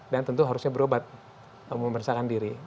dan tentu harusnya berobat mempersahakan diri